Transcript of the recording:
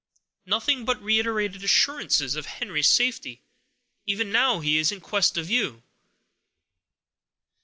"Nothing but reiterated assurances of Henry's safety; even now he is in quest of you."